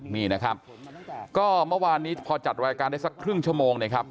นี่นะครับก็เมื่อวานนี้พอจัดรายการได้สักครึ่งชั่วโมงนะครับ